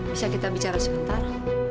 bisa kita bicara sebentar